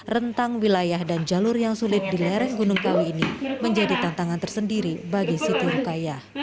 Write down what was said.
rentang wilayah dan jalur yang sulit di lereng gunung kawi ini menjadi tantangan tersendiri bagi siti rukayah